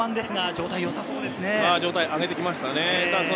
状態を上げてきましたね。